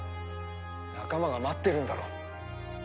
仲間が待ってるんだろ？